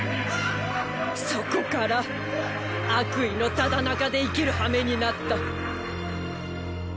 そこから悪意の只中で生きるはめになった。